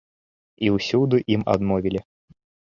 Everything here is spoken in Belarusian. І ўсюды ім адмовілі.